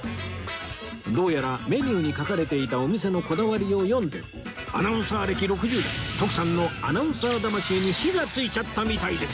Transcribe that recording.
どうやらメニューに書かれていたお店のこだわりを読んでアナウンサー歴６０年徳さんのアナウンサー魂に火がついちゃったみたいです